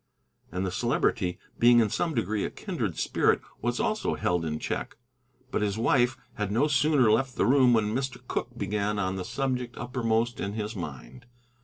And the Celebrity, being in some degree a kindred spirit, was also held in check. But his wife had no sooner left the room when Mr. Cooke began on the subject uppermost in his mind.